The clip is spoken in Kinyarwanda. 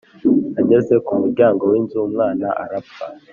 ageze ku muryango w’inzu umwana arapfa